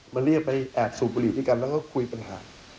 เรียกไปแอบสูบบุหรี่ด้วยกันแล้วก็คุยปัญหา